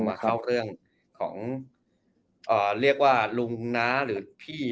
มาเข้าเรื่องของเรียกว่าลุงน้าหรือพี่